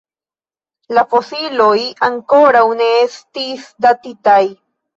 La fosilioj ankoraŭ ne estis datitaj.